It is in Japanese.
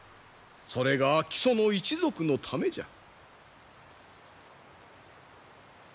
それが木曽の一族のためじゃ。